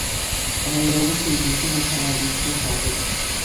আমাদের অবশ্যই যে কোনও খেলা জিততে হবে।